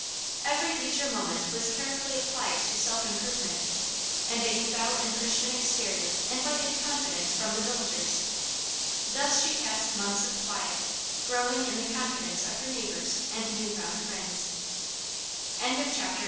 Every leisure moment was carefully applied to self improvement, and a devout and Christian exterior invited confidence from the villagers. Thus she passed months of quiet, growing in the confidence of her neighbors and new found friends. CHAPTER XII. THE WINDING UP OF THE MATTER.